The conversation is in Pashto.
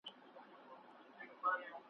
هيبتي ناري به واورئ `